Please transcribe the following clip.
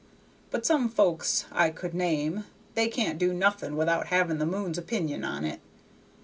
But some folks I could name, they can't do nothing without having the moon's opinion on it.